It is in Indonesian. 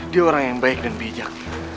dia orang yang baik dan bijak